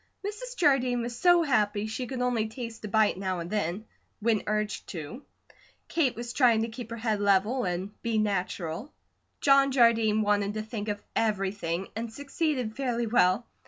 Mrs. Jardine was so happy she could only taste a bite now and then, when urged to. Kate was trying to keep her head level, and be natural. John Jardine wanted to think of everything, and succeeded fairly well.